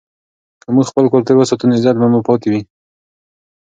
که موږ خپل کلتور وساتو نو عزت به مو پاتې وي.